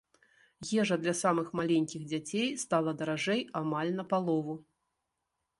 Ежа для самых маленькіх дзяцей стала даражэй амаль на палову.